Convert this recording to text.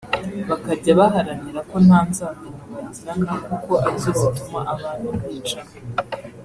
bakajya baharanira ko nta nzangano bagirana kuko arizo zituma abantu bicana